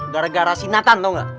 gara gara si nathan tau gak